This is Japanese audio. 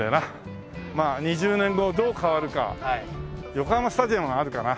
横浜スタジアムはあるかな。